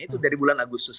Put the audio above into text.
itu dari bulan agustus